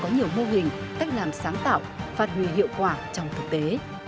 nhiều mô hình cách làm sáng tạo phát huy hiệu quả trong thực tế